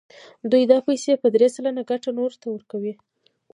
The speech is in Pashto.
دوی دا پیسې په درې سلنه ګټه نورو ته ورکوي